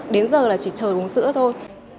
đến giờ là chỉ chờ uống sữa thôi